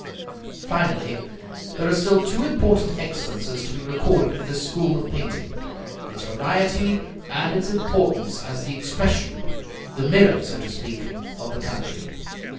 Finally, there are still two important excellences to be recorded of this school of painting: its variety, and its importance as the expression the mirror, so to speak of the country.